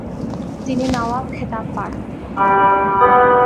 তিনি নওয়াব খেতাব পান।